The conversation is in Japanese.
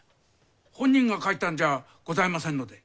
本人が書いたんじゃございませんので。